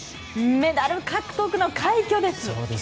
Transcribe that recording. メダル獲得の快挙です！